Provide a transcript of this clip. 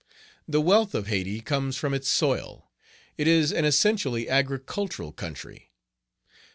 The wealth of Hayti comes from its soil. It is an essentially agricultural country.